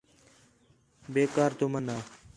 بے کار تُمن ہا